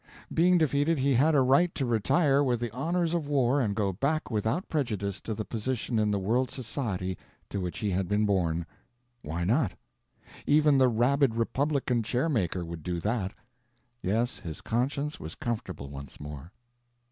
Being defeated, he had a right to retire with the honors of war and go back without prejudice to the position in the world's society to which he had been born. Why not? even the rabid republican chair maker would do that. Yes, his conscience was comfortable once more.